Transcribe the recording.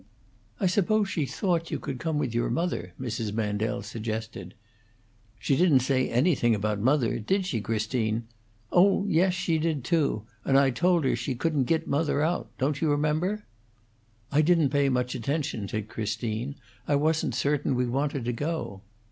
"I suppose she thought you could come with your mother," Mrs. Mandel suggested. "She didn't say anything about mother: Did she, Christine? Or, yes, she did, too. And I told her she couldn't git mother out. Don't you remember?" "I didn't pay much attention," said Christine. "I wasn't certain we wanted to go."